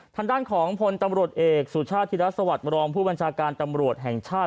ทางด้านของพลตำรวจเอกสุชาติธิรัฐสวัสดิมรองผู้บัญชาการตำรวจแห่งชาติ